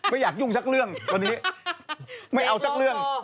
ไม่อยากยุ่งสักเรื่องตอนนี้ไม่เอาสักเรื่อง